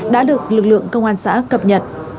đã được lực lượng công an xã cập nhật